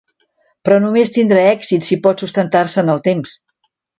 Però només tindrà èxit si pot sustentar-se en el temps.